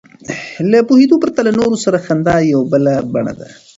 له پوهېدو پرته له نورو سره خندا یوه بله بڼه ده.